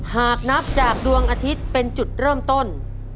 หากนับจากดวงอาทิตย์เป็นจุดเริ่มต้น